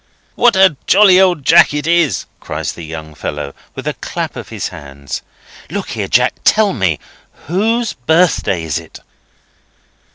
"What a jolly old Jack it is!" cries the young fellow, with a clap of his hands. "Look here, Jack; tell me; whose birthday is it?"